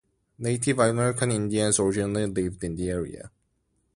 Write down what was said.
Native American Indians originally lived in the area.